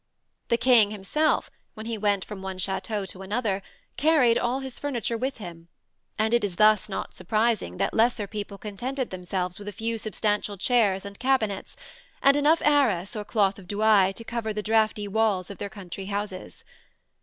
The king himself, when he went from one château to another, carried all his furniture with him, and it is thus not surprising that lesser people contented themselves with a few substantial chairs and cabinets, and enough arras or cloth of Douai to cover the draughty walls of their country houses.